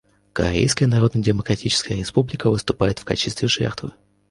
Корейская Народно-Демократическая Республика выступает в качестве жертвы.